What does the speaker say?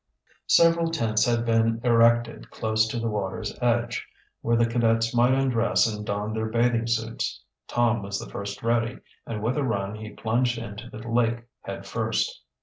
Several tents had been erected close to the water's edge, where the cadets might undress and don their bathing suits. Tom was the first ready, and with a run he plunged into the lake head first.